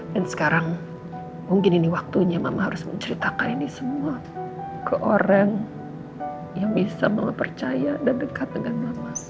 dan sekarang mungkin ini waktunya mama harus menceritakan ini semua ke orang yang bisa mama percaya dan dekat dengan mama